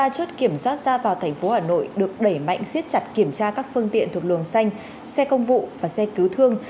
hai mươi ba chốt kiểm soát ra vào thành phố hà nội được đẩy mạnh xiết chặt kiểm tra các phương tiện thuộc lường xanh xe công vụ và xe cứu thương